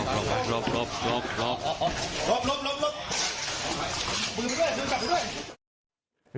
มือไปด้วยมือจับไปด้วย